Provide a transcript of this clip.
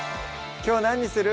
きょう何にする？